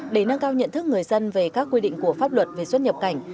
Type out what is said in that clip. để nâng cao nhận thức người dân về các quy định của pháp luật về xuất nhập cảnh